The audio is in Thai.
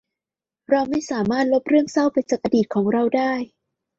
เราไม่สามารถลบเรื่องเศร้าไปจากอดีตของเราได้